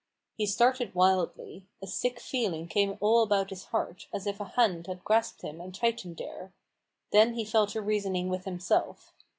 He started wildly ; a sick feeling came all about his heart, as if a hand had grasped him and tightened there. Then he fell to reasoning with himself.